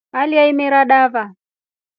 Aleya imera dava.